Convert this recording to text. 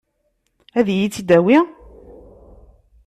Ad iyi-tt-id-tawi?